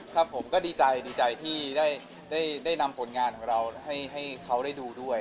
ครับผมก็ดีใจดีใจที่ได้นำผลงานของเราให้เขาได้ดูด้วย